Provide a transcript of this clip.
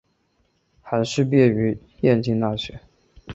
韩叙毕业于燕京大学。